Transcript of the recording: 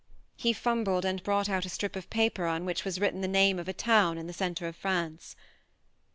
..." He fumbled, and brought out a strip of paper on which was written the name of a town in the centre of France.